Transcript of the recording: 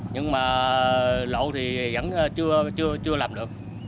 nhưng mà lỗ thì vẫn chưa làm được